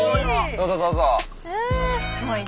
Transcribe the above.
どうぞどうぞ。